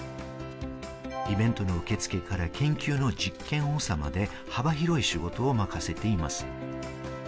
イベントの受付から研究の実験を補佐まで、幅広い仕事を任せています。